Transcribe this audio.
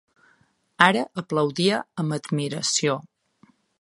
Ara aplaudia amb admiració.